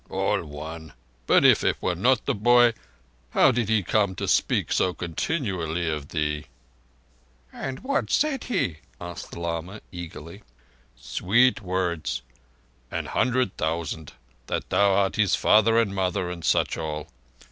"All one—but if it were not the boy how did he come to speak so continually of thee?" "And what said he?" asked the lama eagerly. "Sweet words—an hundred thousand—that thou art his father and mother and such all.